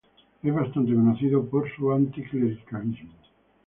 Es bastante conocido por su anticlericalismo.